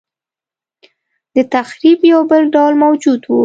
دتخریب یو بل ډول موجود و.